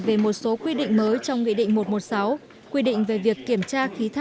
về một số quy định mới trong nghị định một trăm một mươi sáu quy định về việc kiểm tra khí thải